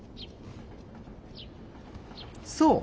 そう。